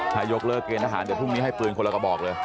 ถ้ายกเลิกเกณฑ์อาหารแต่พรุ่งนี้ให้ปืนคนละก็บอกเลย